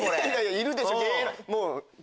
いるでしょ！